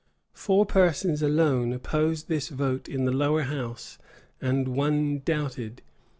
Four persons alone opposed this vote in the lower house, and one doubted.